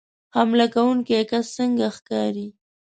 حمله کوونکی کس څنګه ښکاري